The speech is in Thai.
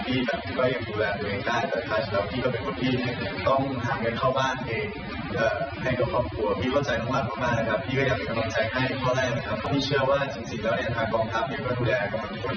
พี่เชื่อว่าจริงแล้วเนี่ยทางกองทัพเนี่ยก็ดูแลกับบางคนอยู่แล้ว